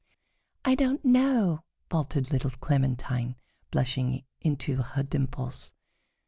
"I don't know," faltered little Clementine, blushing into her dimples.